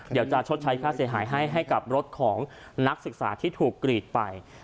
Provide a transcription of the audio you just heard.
ชดใช้ค่าเสียหายให้ให้กับรถของนักศึกษาที่ถูกกรีดไป